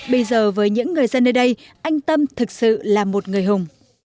bây giờ với những người dân nơi đây anh tâm thực sự là một người hùng